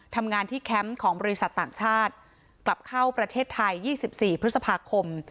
ทำงานที่แคมป์ของบริษัทต่างชาติกลับเข้าประเทศไทย๒๔พฤษภาคม